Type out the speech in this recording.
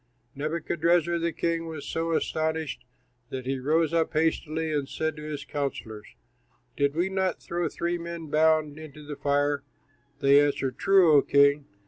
Nebuchadrezzar, the king, was so astonished that he rose up hastily and said to his counsellors, "Did we not throw three men, bound, into the fire?" They answered, "True, O king."